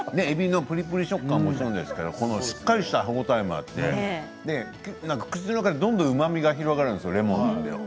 えびのプリプリ食感もそうなんですけどしっかりとした歯応えもあって口の中でどんどんうまみが広がるんですよ